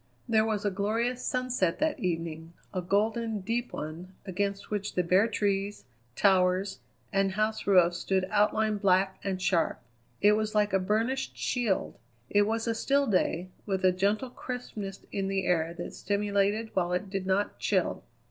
There was a glorious sunset that evening, a golden, deep one, against which the bare trees, towers, and house roofs stood outlined black and sharp. It was like a burnished shield. It was a still day, with a gentle crispness in the air that stimulated while it did not chill.